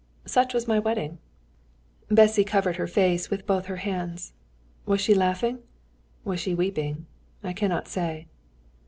Such was my wedding." Bessy covered her face with both her hands. Was she laughing? Was she weeping? I cannot say.